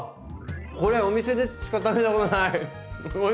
これはお店でしか食べたことない。